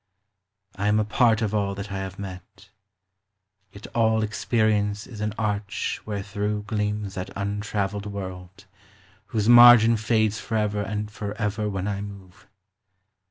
I am a part of all that I have met ; Yet all experience is an arch wherethrough Gleams that untra veiled world, whose margin fades Forever and forever when I move.